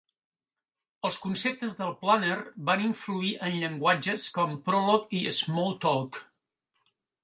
Els conceptes del Planner van influir en llenguatges com Prolog i Smalltalk.